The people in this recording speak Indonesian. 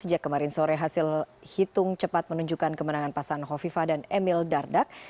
sejak kemarin sore hasil hitung cepat menunjukkan kemenangan pasangan hovifa dan emil dardak